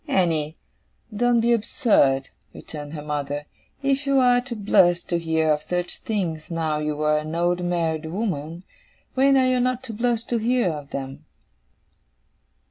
'Annie, don't be absurd,' returned her mother. 'If you are to blush to hear of such things now you are an old married woman, when are you not to blush to hear of them?